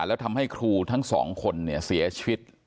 และทำให้ครูทั้งสองคนเสียชีวิต